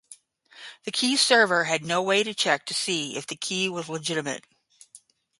The keyserver had no way to check to see if the key was legitimate.